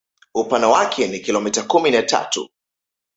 Upana wake ni kilomita kumi na tatu